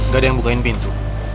gak ada yang bukain pintu